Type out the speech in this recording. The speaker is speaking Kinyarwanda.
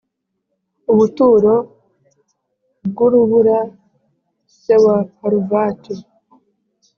ubuturo bw’urubura, se wa paruvati